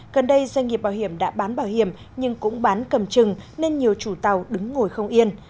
gần đây doanh nghiệp bảo hiểm đã bán bảo hiểm nhưng cũng bán cầm chừng nên nhiều chủ tàu đứng ngồi không yên